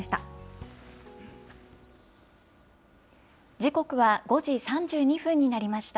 時刻は５時３２分になりました。